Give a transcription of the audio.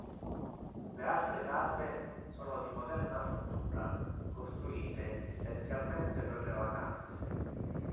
Le altre case sono di moderna fattura, costruite essenzialmente per le vacanze.